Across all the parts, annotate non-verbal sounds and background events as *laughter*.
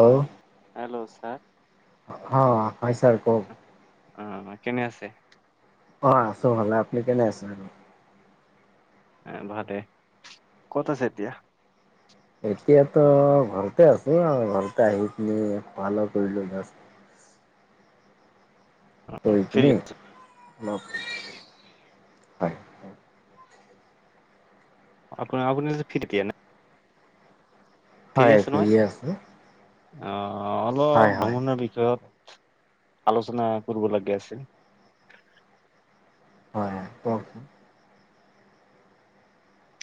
Hello hello sir হ হয় sir কক। অ কেনে আছে অ আছো ভাললে আপুনি কেনে আছে আৰু আহ ভালে ক'ত আছে এতিয়া এতিয়াতো ঘৰতে আছো অ ঘৰতে আহি পিনি খোৱালো কৰিলো। কৰি ফ্ৰী পিনি অলপ হয় হয়। আপোন আপুনি ফিট দিয়ে নাই হয় ফিৰি আছো। অ হয় অলপ হয় ভ্ৰমণৰ বিষয়ৰত। আলোচনা কৰিব লাগে আছিল হয় কক ছোন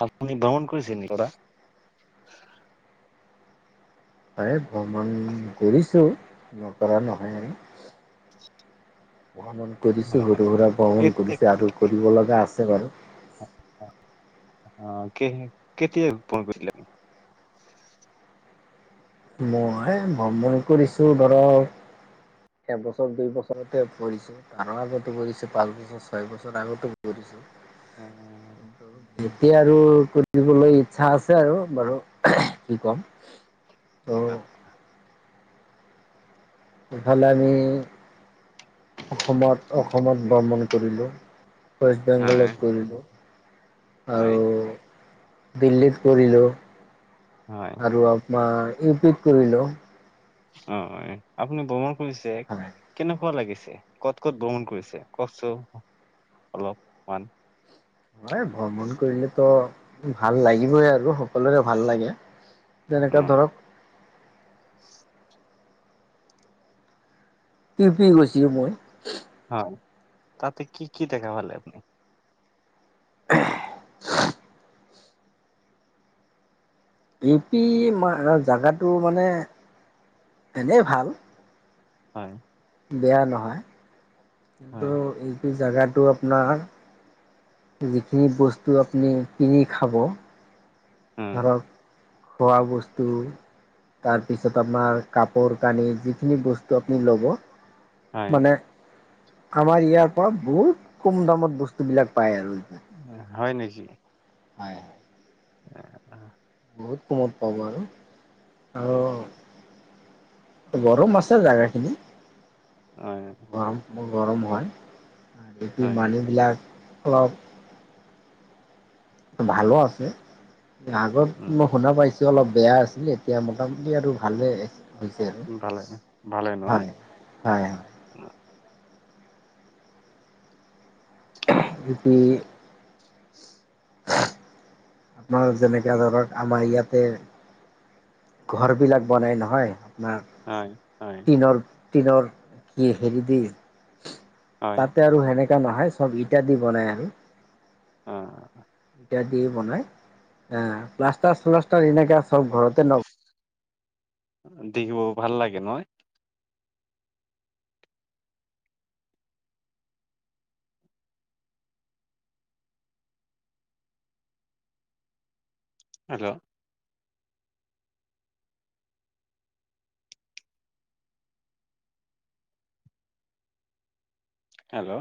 আপুনি ভ্ৰমণ কৰিছে নেকি কথা হয় ভ্ৰমণ কৰিছোঁ নকৰা নহয় আৰু ভ্ৰমণ কৰিছো আহ, সৰু সুৰা ভ্ৰমণ কেতিয়া কৰিছে আৰু কৰিব লগা আছে বাৰু অ কেতিয়া ফোন কৰিছিলা তুমি মই ভ্ৰমণ কৰিছো ধৰক এবছৰ দুই বছৰতে পঢ়ছো তাৰো আগতোঢিছো পাঁচ বছৰ ছয় বছৰ আগতো পঢ়িছো আহ, কি এতিয়া আৰু কৰি দিবলৈ ইচ্ছা আছে আৰু বাৰু কি কম ত' উ। ভালালে আমি অসমত অসমত ভ্ৰমণ কৰিলোঁ ৱেষ্ট হয় বেংগলত কৰিলোঁ হয় আৰু বিল্লিত কৰিলো হয় আৰু আপনাৰ। ৰিপিট কৰিলো। অ আপুনি ব্ৰমণ কৰিছে হয় কেনেকুৱা লাগিছে ক'ত ক'ত ভ্ৰমণ কৰিছে কওকচোন অলপ মান। হয় ভ্ৰমণ কৰিলে তো ভাল লাগিবই আৰু সকলোৰে ভাল লাগে। অ যেনেকা ধৰক পিপি গৈছে মই হয় ততে কি কি দেখা পালে আপনি। *unintelligible* ই পি জাগাটো মানে এনেই ভাল। হয় বেয়া নহয় কিন্তু হয় এইটো জেগাটো আপোনাৰ যিখিনি বস্তু আপুনি কিনি খাব। উম ধৰ খোৱা বস্তু। তাৰপিছত আপোনাৰ কাপোৰ কানি যিখিনি বস্তু আপুনি ল'ব হয়, মানে আমাৰ ইয়াৰ পৰা বহুত কম দামত বস্তু বিলাক পায় আৰু হয় নেকি? হয় হয়। উ অ বহুত কমত পাব আৰু আৰু। গৰম আছে জাগাখিনি। হয়। গৰম হয়, বেছি হয়, মানী বিলাক অলপ ভালো আছে আগত উম, মই শুনা পাইছো। অলপ বেয়া আছিলে এতিয়া মোটামুটি আৰু ভালে ব হৈছে আৰু ভালে, ভালে নহয়? হয় হয়। *inaudible* এই *unintelligible* আপোনাৰ যেনেকে ধৰক আমাৰ ইয়াতে ঘৰ বিলাক বনাই নহয় আপাৰ হয়, হয়, টিনৰ টিনৰ কি হেৰি দি হয়, তাতে আৰু সেনেকাা নহয় চব ইটা দি বনাই আৰু। অ। ইটা দি বনাই আহ প্লাষ্টাৰ চালাষ্টৰ এনেকে চব ঘৰতে ন। দেখিব ভাল লাগে নহয়। হেল্ল। হেল্ল'।